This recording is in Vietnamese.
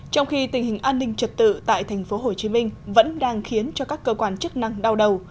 trong khi tình hình an ninh trật tự tại tp hcm vẫn đang khiến cho các cơ quan chức năng đau đầu